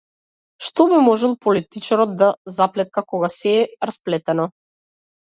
Што би можел политичарот да заплетка кога сѐ е расплетено?